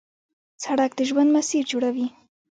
سړک د ژوند مسیر جوړوي.